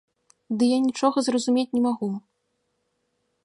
Ды я нічога зразумець не магу!